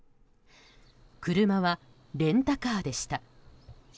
車はレンタカーでした。